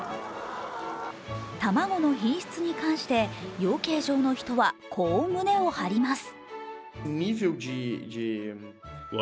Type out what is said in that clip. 卵の品質に関して養鶏場の人はこう胸を張ります。